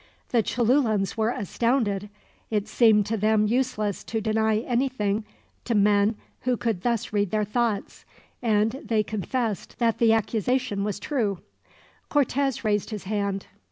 The Cholulans were astounded. It seemed to them useless to deny anything to men who could thus read their thoughts, and they confessed that the accusation was true. Cortez raised his hand.